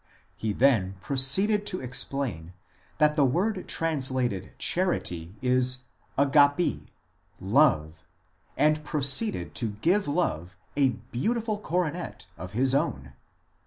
He then proceeded to explain that the word translated char ity is dyaTn;, love, and proceeded to give Love a beautiful coronet of his own.